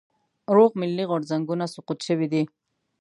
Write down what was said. روغ ملي غورځنګونه سقوط شوي دي.